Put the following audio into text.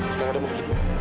sekarang aku mau pergi dulu